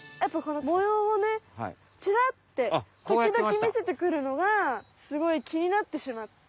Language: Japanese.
もようをねチラッてときどきみせてくるのがすごいきになってしまって。